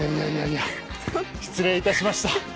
失礼いたしました。